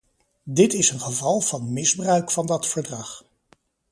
Dit is een geval van misbruik van dat verdrag.